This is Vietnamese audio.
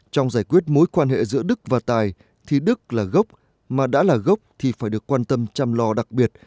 trong giải quyết mối quan hệ giữa đức và tài thì đức là gốc mà đã là gốc thì phải được quan tâm chăm lo đặc biệt